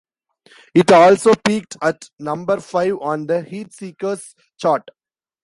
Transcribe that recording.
It also peaked at number five on the Heatseekers chart.